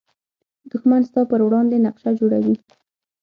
دښمن ستا پر وړاندې نقشه جوړوي